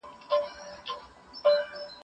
ايا ته وخت تېروې؟